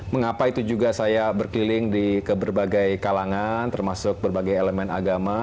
mengapa itu juga saya berkeliling ke berbagai kalangan termasuk berbagai elemen agama